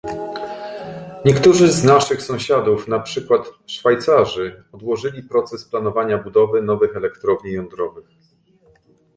Niektórzy z naszych sąsiadów, na przykład Szwajcarzy, odłożyli proces planowania budowy nowych elektrowni jądrowych